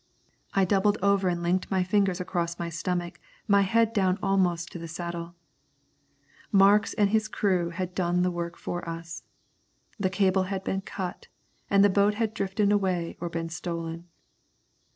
I doubled over and linked my fingers across my stomach, my head down almost to the saddle. Marks and his crew had done the work for us. The cable had been cut, and the boat had drifted away or been stolen.